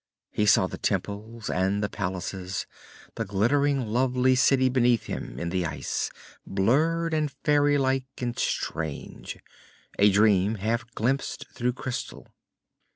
He saw the temples and the palaces, the glittering lovely city beneath him in the ice, blurred and fairylike and strange, a dream half glimpsed through crystal.